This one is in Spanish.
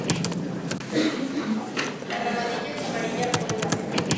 La rabadilla es amarilla oliváceo.